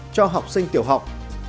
cho học sinh tiểu học